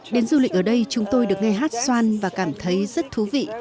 đến du lịch ở đây chúng tôi được nghe hát xoan và cảm thấy rất thú vị